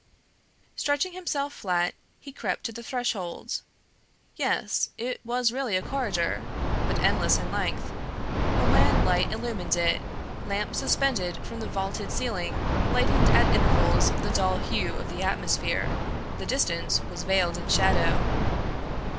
Stretching himself flat he crept to the threshold. Yes, it was really a corridor, but endless in length. A wan light illumined it: lamps suspended from the vaulted ceiling lightened at intervals the dull hue of the atmosphere the distance was veiled in shadow.